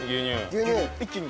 牛乳一気に。